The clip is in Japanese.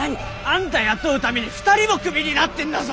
あんた雇うために２人もクビになってんだぞ！